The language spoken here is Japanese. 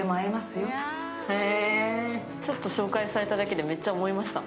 ちょっと紹介されただけで思いました、